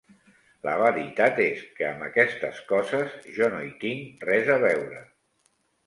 La veritat és que amb aquestes coses jo no hi tinc res a veure.